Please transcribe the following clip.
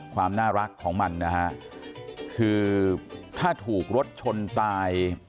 ความน่ารักของมันนะฮะคือถ้าถูกรถชนตาย